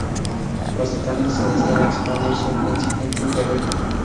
Los Titanes se deciden a expandir su incipiente imperio.